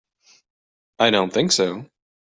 I don't think so.